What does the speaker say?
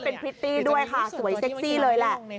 เป็นพริตตี้ด้วยค่ะสวยเซ็กซี่เลยแหละ